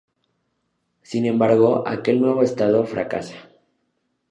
Sin embargo, aquel nuevo estado fracasa.